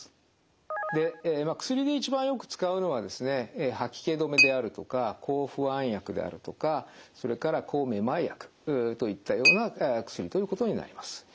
で薬で一番よく使うのはですね吐き気止めであるとか抗不安薬であるとかそれから抗めまい薬といったような薬ということになります。